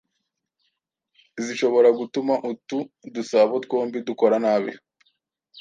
zishobora gutuma utu dusabo twombi dukora nabi,